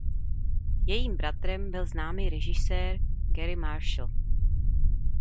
Jejím bratrem je známý režisér Garry Marshall.